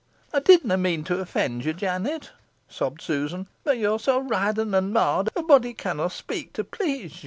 "Ey didna mean to offend ye, Jennet," sobbed Susan, "boh yo're so wrythen an marr'd, a body canna speak to please ye."